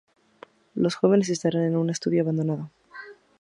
Los jóvenes estarán en un estudio abandonado.